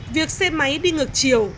việc xe máy đi ngược chiều